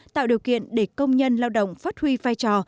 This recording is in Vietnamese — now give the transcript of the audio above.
tạo điều kiện để công nhân lao động phát huy vai trò